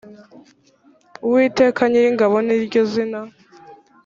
uwiteka nyiringabo ni ryo zina